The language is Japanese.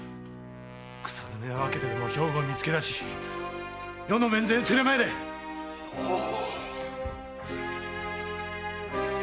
草の根を分けてでも兵庫を見つけだし余の面前へ連れ参れ！ははーっ！